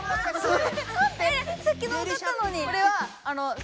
えさっきのわかったのに。